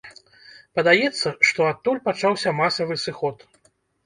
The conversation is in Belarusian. Падаецца, што адтуль пачаўся масавы сыход.